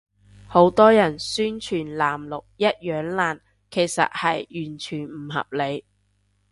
好多人宣傳藍綠一樣爛，其實係完全唔合理